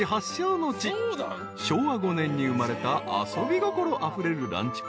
［昭和５年に生まれた遊び心あふれるランチ